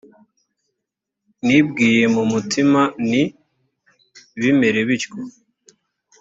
nibwiye mu mutima nti bimera bityo